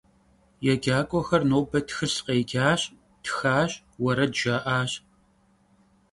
Yêcak'uexer nobe txılh khêcaş, txaş, vuered jja'aş.